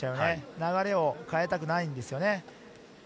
流れを変えたくないんですよね。